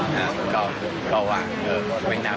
ของหรอกอ้างนี้เค้าเลือกประมาณ